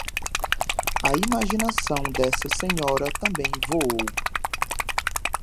a imaginação dessa senhora também voou